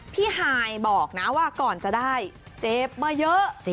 ฮายบอกนะว่าก่อนจะได้เจ็บมาเยอะ